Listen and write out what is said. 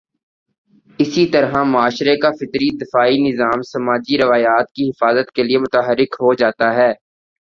اسی طرح معاشرے کا فطری دفاعی نظام سماجی روایات کی حفاظت کے لیے متحرک ہو جاتا ہے۔